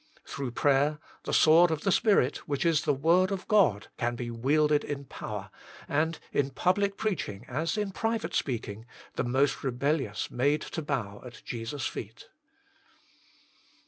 Through prayer, the sword of the Spirit, which is the Word of God, can be wielded in power, and, in public preaching as in private speaking, the most rebellious made to bow at Jesus feet.